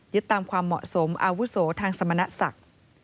๓ยึดตามความเหมาะสมอาวุโสทางสมณสัก